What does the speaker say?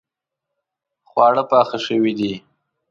خواړه پاخه شوې دي